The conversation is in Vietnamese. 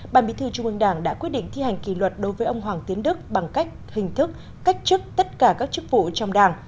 bàn bí thư trung ương đảng đã quyết định thi hành kỷ luật đối với ông hoàng tiến đức bằng cách hình thức cách chức tất cả các chức vụ trong đảng